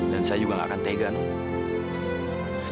dan saya juga gak akan tega non